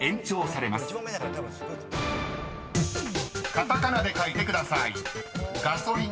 ［カタカナで書いてください］